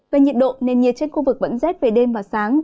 về nhiệt độ nền nhiệt trên khu vực vẫn rét về đêm và sáng